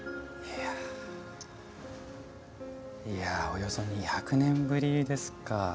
およそ２００年ぶりですか。